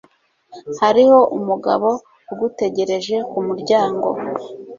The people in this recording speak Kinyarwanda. Hariho umugabo ugutegereje kumuryango.